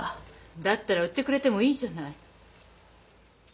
だったら売ってくれてもいいじゃない。